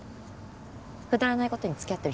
くだらないことにつきあってる